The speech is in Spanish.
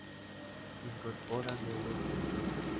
Incorpora nuevos sensores.